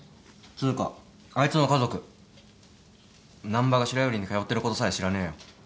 つうかあいつの家族難破が白百合に通ってることさえ知らねえよ。